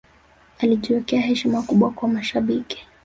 alijiwekea heshima kubwa kwa mashabiki